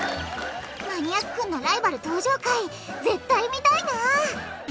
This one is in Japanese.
マニアッくんのライバル登場回絶対見たいな。